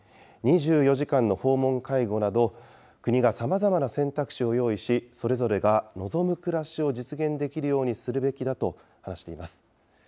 ２４時間の訪問介護など、国がさまざまな選択肢を用意し、それぞれが望む暮らしを実現できるようにするべきだと話しています。